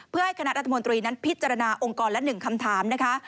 เพื่อให้คณะรัฐมนตรีนั้นพิจารณาองค์กรและ๑คำถามนะคะ